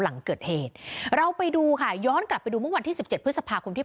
หลังเกิดเหตุเราไปดูค่ะย้อนกลับไปดูวันที่๑๗พฤษภาคมที่